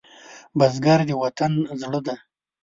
بزګر د وطن زړه دی